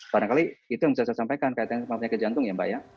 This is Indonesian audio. barangkali itu yang bisa saya sampaikan kaitannya ke jantung ya mbak ya